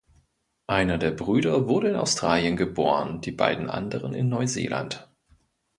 Einer der Brüder wurde in Australien geboren, die beiden anderen in Neuseeland.